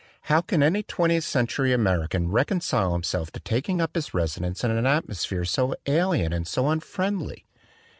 How can any twentieth century American reconcile himself to taking up his residence in an atmosphere so alien and so unfriendly?